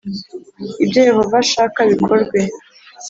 ibyo Yehova ashaka bikorwe